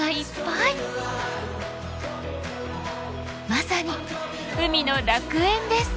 まさに海の楽園です。